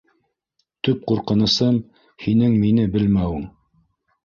Төп ҡурҡынысым - һинең мине белмәүең.